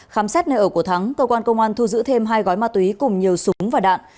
khám xét nơi ở của thắng cơ quan công an thu giữ thêm hai gói ma túy cùng nhiều súng và đạn